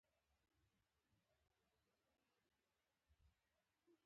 د حضرت علامه حبو اخند زاده مقبره ودانه شوه.